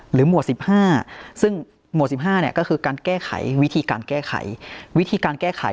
หรือหมวดสิบห้าซึ่งหมวดสิบห้าเนี่ยก็คือการแก้ไขวิธีการแก้ไข